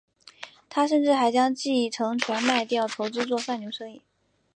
他甚至还将继承权卖掉筹资做贩牛生意。